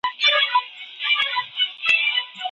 ولي سياست يوازي انفرادي لوبه نده؟